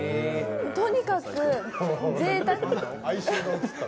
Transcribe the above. とにかくぜいたく。